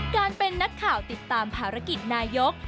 การเป็นนักข่าวติดตามภารกิจนายก